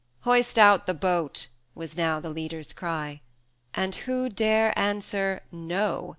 80 V. "Hoist out the boat!" was now the leader's cry; And who dare answer "No!"